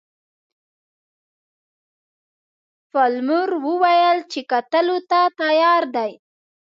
پالمر وویل چې کتلو ته تیار دی.